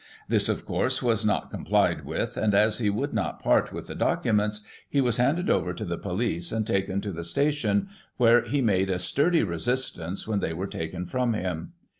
This, of course, was not com plied with, and as he would not part with the documents, he was handed over to the police, and taken to the station, where he made a sturdy resistance when they were taken from him.